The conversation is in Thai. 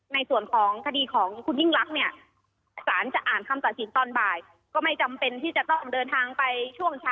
ในส่วนของคดีของคุณยิ่งรักเนี่ยสารจะอ่านคำตัดสินตอนบ่ายก็ไม่จำเป็นที่จะต้องเดินทางไปช่วงเช้า